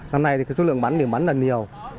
năm nay số lượng bắn điểm bắn là nhiều